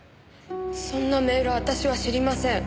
そんなメール私は知りません。